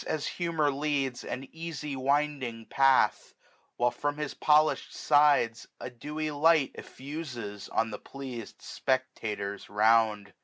As humour leads, an easy winding path ; While, from his polished sides, a dewy light Eflfuses on the pleas'd spectators round.